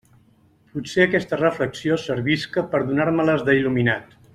Potser aquesta reflexió servisca per a donar-me-les d'il·luminat.